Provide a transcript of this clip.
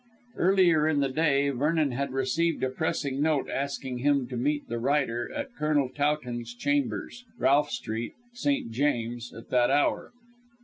Earlier in the day Vernon had received a pressing note asking him to meet the writer at Colonel Towton's chambers, Ralph Street, St. James's, at that hour.